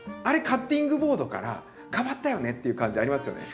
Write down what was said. カッティングボードから変わったよね」っていう感じありますよね。